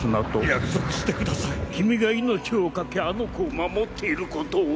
約束してください∈君が命を懸けあの子を守っていることを？